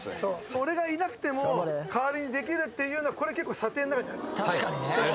俺がいなくても代わりにできるっていうこれ結構査定の中に入るからはい